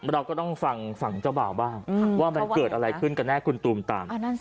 เราก็ต้องฟังฝั่งเจ้าบ่าวบ้างว่ามันเกิดอะไรขึ้นกันแน่คุณตูมตาม